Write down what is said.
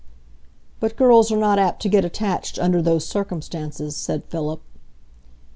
"But girls are not apt to get attached under those circumstances," said Philip.